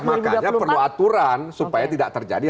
makanya perlu aturan supaya tidak terjadi